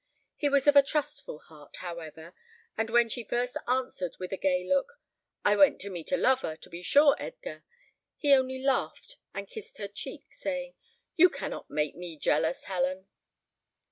He was of a trustful heart, however; and when she first answered, with a gay look, "I went to meet a lover, to be sure, Edgar," he only laughed and kissed her cheek, saying, "You cannot make me jealous, Helen."